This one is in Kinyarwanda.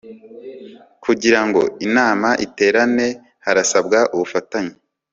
kugira ngo inama iterane harasabwa ubufatanye